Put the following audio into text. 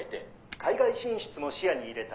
「海外進出も視野に入れた」。